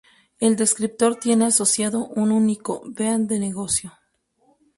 El descriptor tiene asociado un único "bean de negocio".